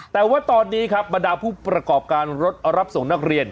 แต่ว่าตอนนี้ครับบรรดาผู้ประกอบการรถรับส่งนักเรียน